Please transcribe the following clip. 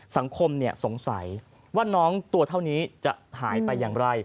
สังคมสงสัยว่าน้องตัวเท่านี้จะหายไปอย่างไร